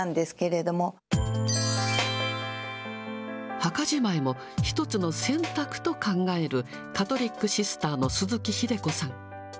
墓じまいも一つの選択と考えるカトリックシスターの鈴木秀子さん。